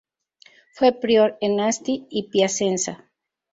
Fue prior en Asti y Piacenza.